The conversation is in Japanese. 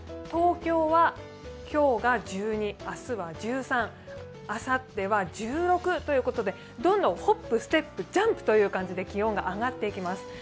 東京は今日が１２、明日は１３、あさっては１６ということで、どんどんホップ・ステップ・ジャンプという感じで気温が上がっていきます